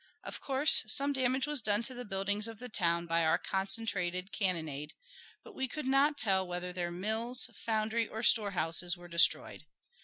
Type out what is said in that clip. Of course, some damage was done to the buildings of the town by our concentrated cannonade, but we could not tell whether their mills, foundry, or storehouses were destroyed.